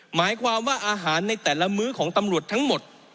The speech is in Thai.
หมายความว่าอาหารในแต่ละมื้อของตำรวจทั้งหมด